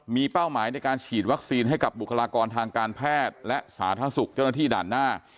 มีเป้าหมายในการฉีดวัคซีนให้กับบุคลากรทางการแพทย์และสาธารณสุขเจ้าหน้าที่ด่านหน้า